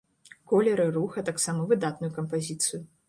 Колеры, рух, а таксама выдатную кампазіцыю.